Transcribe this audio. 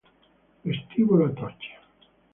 Vestibolo Atocha